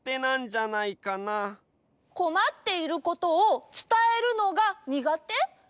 こまっていることを伝えるのがにがて？